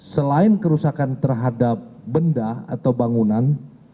selain kerusakan terhadap benda atau bangunan